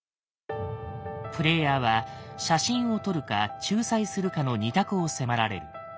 プレイヤーは写真を撮るか仲裁するかの２択を迫られる。